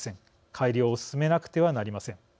改良を進めなくてはなりません。